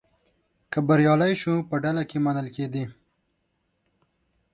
که بریالی شو په ډله کې منل کېدی.